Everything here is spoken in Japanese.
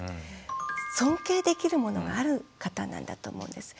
尊敬できるものがある方なんだと思うんです。